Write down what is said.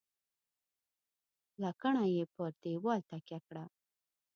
. لکڼه یې پر دېوال تکیه کړه .